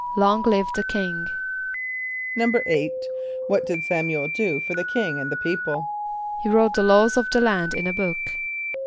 ="Long live the King."= =8.= What did S[)a]m´u el do for the king and the people? =He wrote the laws of the land in a book.